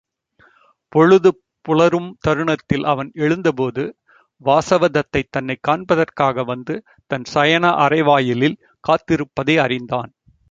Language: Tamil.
பொழுது புலரும் தருணத்தில் அவன் எழுந்தபோது, வாசவதத்தை தன்னைக் காண்பதற்காக வந்து தன் சயன அறைவாயிலில் காத்திருப்பதை அறிந்தான்.